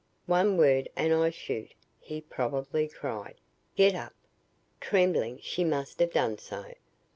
"'One word and I shoot!' he probably cried. 'Get up!' "Trembling, she must have done so.